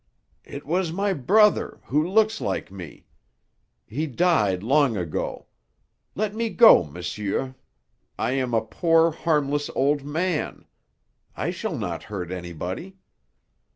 "It was my brother, who looks like me. He died long ago. Let me go, monsieur. I am a poor, harmless old man. I shall not hurt anybody."